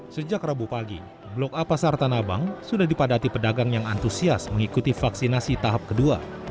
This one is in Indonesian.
sejak rabu pagi blok a pasar tanah abang sudah dipadati pedagang yang antusias mengikuti vaksinasi tahap kedua